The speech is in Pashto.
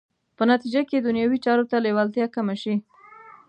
په نتیجه کې دنیوي چارو ته لېوالتیا کمه شي.